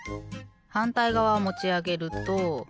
はんたいがわをもちあげると。